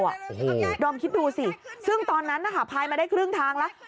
โอ้โหดอมคิดดูสิซึ่งตอนนั้นนะคะพายมาได้ครึ่งทางแล้ว